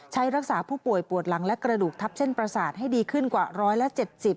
ใช้รักษาผู้ป่วยปวดหลังและกระดูกทับเส้นประสาทให้ดีขึ้นกว่าร้อยละ๗๐